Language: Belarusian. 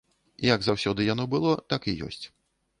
Як заўсёды яно было, так і ёсць.